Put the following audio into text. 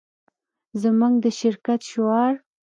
زموږ د شرکت شعار